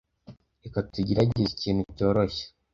Reka tugerageze ikintu cyoroshye.